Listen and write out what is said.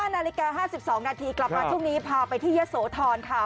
นาฬิกา๕๒นาทีกลับมาช่วงนี้พาไปที่ยะโสธรค่ะ